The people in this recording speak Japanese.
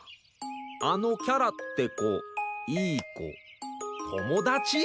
あのキャラって子いい子友達？